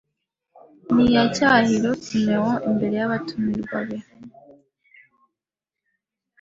ntiyacyahira Simoni imbere y'abatumirwa be